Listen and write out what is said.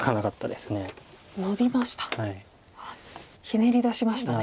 ひねり出しましたね。